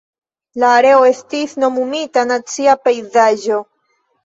La areo estis nomumita Nacia Pejzaĝo.